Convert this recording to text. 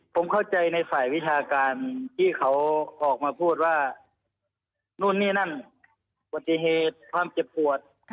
ผมเข้าใจในฝ่ายวิชาการที่เขาออกมาพูดว่านู่นนี่นั่นอุบัติเหตุความเจ็บปวด